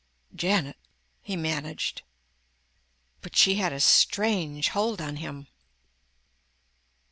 "Janet," he managed, but she had a strangle hold on him.